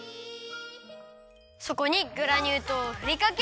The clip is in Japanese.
そこにグラニュー糖をふりかける！